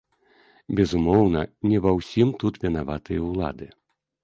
Безумоўна, не ва ўсім тут вінаватыя ўлады.